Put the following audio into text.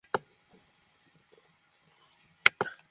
রেহমান খালিলের পরিচালনায় এতে আরও অভিনয় করেছেন ভাবনা, সাঈদ বাবু প্রমুখ।